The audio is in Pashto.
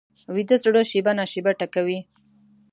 ویده زړه شېبه نا شېبه ټکوي